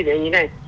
về hình như thế này